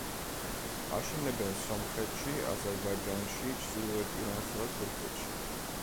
აშენებენ სომხეთში, აზერბაიჯანში, ჩრდილოეთ ირანსა და თურქეთში.